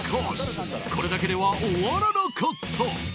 これだけでは終わらなかった。